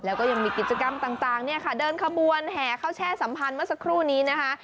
แล้วก็ยังมีกิจกรรมต่างเนี่ยค่ะเดินขบวนแห่ข้าวแช่สัมพันธ์เมื่อสักครู่นี้นะคะ